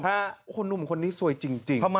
ถ้าว่าคนนุ่มคนนี่ซวยจริง